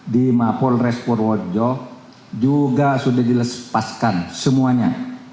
di mapol res purworejo juga sudah dilepaskan semuanya